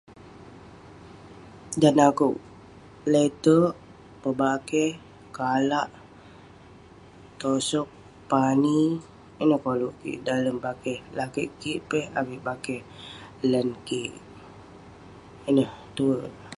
Dan akeuk lete'erk, pebakeh, kalak, tosoq, pani. Ineh koluk kik dalem bakeh lakeik kik peh avik bakeh lan kik. Ineh tuek.